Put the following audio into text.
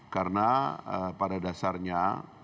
karena pada dasarnya